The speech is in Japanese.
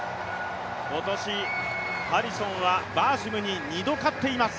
今年ハリソンはバーシムに２度勝っています。